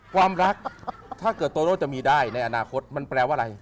ความรักถ้าเกิดโตโน่จะมีได้ในอนาคตมันแปลว่าอะไร